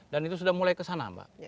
dan itu sudah mulai kesana mbak